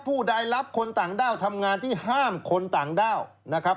ผู้ใดรับคนต่างด้าวทำงานที่ห้ามคนต่างด้าวนะครับ